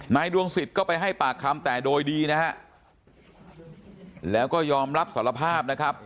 ดวงสิทธิ์ก็ไปให้ปากคำแต่โดยดีนะฮะแล้วก็ยอมรับสารภาพนะครับ